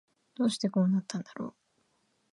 どうしてこうなったんだろう